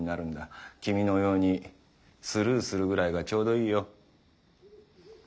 君のようにスルーするぐらいがちょうどいいよ。